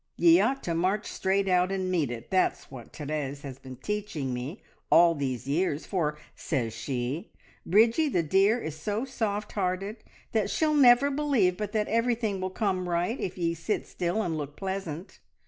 "Ye ought to march straight out and meet it! That's what Therese has been teaching me all these years, for, says she, `Bridgie, the dear, is so soft hearted that she'll never believe but that everything will come right if ye sit still and look pleasant.'